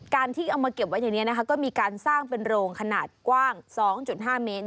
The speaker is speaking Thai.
ที่เอามาเก็บไว้ในนี้นะคะก็มีการสร้างเป็นโรงขนาดกว้าง๒๕เมตร